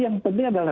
yang penting adalah